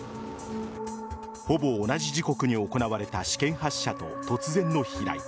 ほぼ同じ時刻に行われた試験発射と突然の飛来。